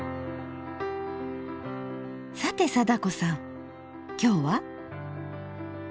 さて貞子さん今日は？